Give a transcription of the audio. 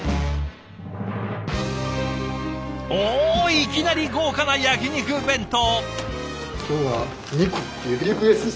いきなり豪華な焼き肉弁当。